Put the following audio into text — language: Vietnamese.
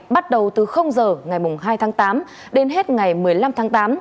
bắt đầu từ giờ ngày hai tháng tám đến hết ngày một mươi năm tháng tám